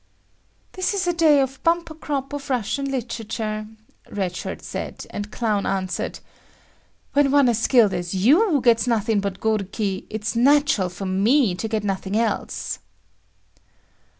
"This is a day of bumper crop of Russian literature," Red Shirt said, and Clown answered: "When one as skilled as you gets nothing but goruki, it's natural for me to get nothing else."